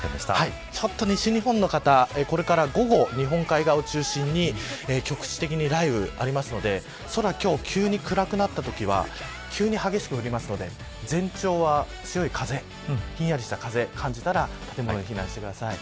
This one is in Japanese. ちょっと西日本の方これから午後、日本海側を中心に局地的に雷雨がありますので空、今日急に暗くなったときは急に激しく降りますので前兆は強い風ひんやりした風感じたら、建物に避難してください。